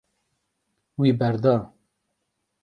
Wî berda.